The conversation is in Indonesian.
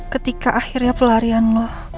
ketika akhirnya pelarian lo